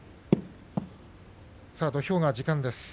土俵が時間です。